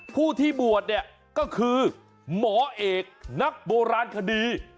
ผู้ที่บวชเนี่ยก็คือหมอเอกนักโบราณคดี